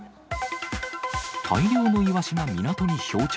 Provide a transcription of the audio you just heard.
大量のイワシが港に漂着。